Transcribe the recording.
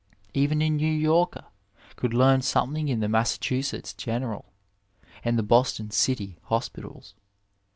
Even a New Yorker could learn some thing in the Massachusetts General and the Boston City Hospitals.